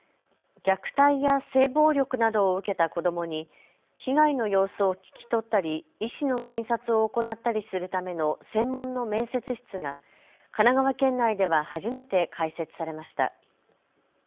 虐待や性暴力などを受けた子どもに被害の様子を聞き取ったり医師の診察を行ったりするための専門の面接室が神奈川県内では初めて開設されました。